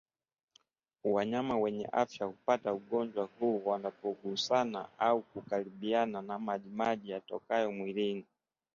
Wanyama wenye afya hupata ugonjwa huu wanapogusana au kukaribiana na majimaji yanayotoka mwilini